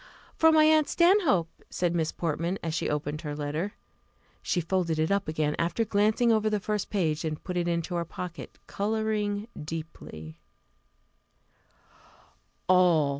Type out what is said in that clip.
"From my aunt Stanhope," said Miss Portman, as she opened her letter. She folded it up again after glancing over the first page, and put it into her pocket, colouring deeply.